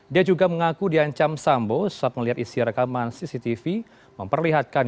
dia juga mengaku diancam sambo saat melihat isi rekaman cctv memperlihatkan